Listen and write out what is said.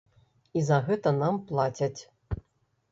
І за гэта нам плацяць.